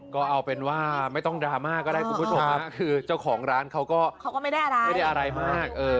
ก็เอาเป็นว่าไม่ต้องดราม่าก็ได้คุณผู้ชมนะค่ะคือเจ้าของร้านเขาก็